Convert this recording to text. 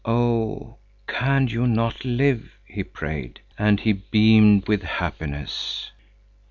"Oh, can you not live!" he prayed. And he beamed with happiness.